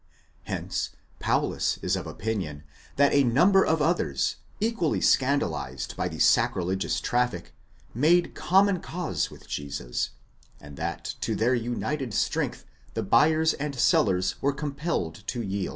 Hence Paulus is of opinion that a number of others, equally scandalized by the sacrilegious traffic, made common cause with Jesus, and that to their united strength the buyers 11 English Commentators, ap.